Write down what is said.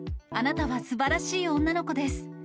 あなたはすばらしい女の子です。